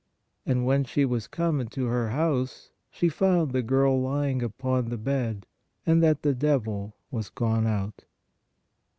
And when she was come into her house, she found the girl lying upon the bed, and that the devil was gone out."